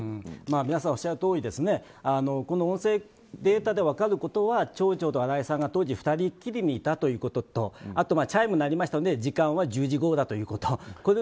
皆さんおっしゃるとおりこの音声データで分かることは町長と新井さんが当時２人きりでいたということとあとチャイム鳴りましたので時間は１０時ごろということ。